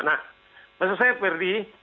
nah maksud saya ferdi